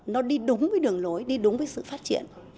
nó đi đúng với đường lối đi đúng với sự phát triển